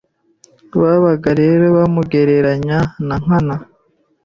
babaga rero bamugereranya na Nkana